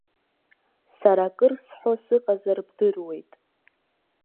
Сара акыр сҳәо сыҟазар бдыруеит.